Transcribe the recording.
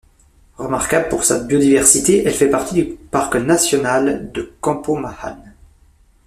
Remarquable pour sa biodiversité, elle fait partie du parc national de Campo-Ma’an.